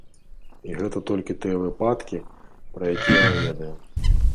І гэта толькі тыя выпадкі, пра якія мы ведаем.